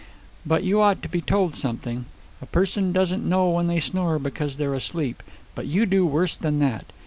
But you ought to be told something. A person doesn't know when they snore because they're asleep. But you do worse than that.